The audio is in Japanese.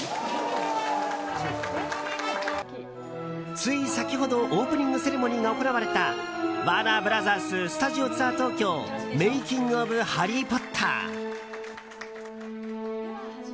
つい先ほどオープニングセレモニーが行われたワーナー・ブラザーススタジオツアー東京メイキング・オブ・ハリー・ポッター。